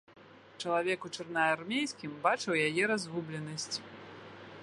Чалавек у чырвонаармейскім бачыў яе разгубленасць.